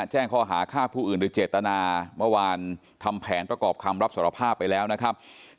แจ้งข้อหาฆ่าผู้อื่นโดยเจตนาเมื่อวานทำแผนประกอบคำรับสารภาพไปแล้วนะครับ